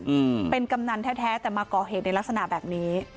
อืมเป็นกำนันแท้แท้แต่มาก่อเหตุในลักษณะแบบนี้